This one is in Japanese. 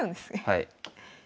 はい。